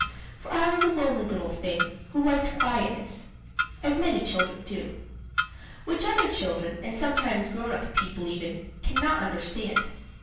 For I was a lonely little thing, who liked quietness as many children do; which other children, and sometimes grown up people even, cannot understand.